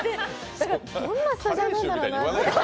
だからどんなスタジオなんだろうね。